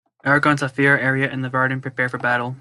Eragon, Saphira, Arya, and the Varden prepare for battle.